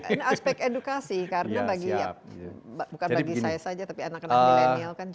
ini aspek edukasi karena bagi bukan bagi saya saja tapi anak anak milenial kan juga